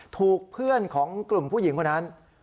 ถูกเพื่อนของกลุ่มผู้หญิงคนนั้น